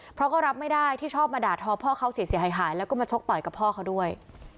เพราะก็รับไม่ได้ที่ชอบมาด่าทอพ่อเขาเสียหายแล้วก็มาชกต่อยกับพ่อเขาด้วย